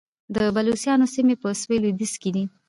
د بلوڅانو سیمې په سویل لویدیځ کې دي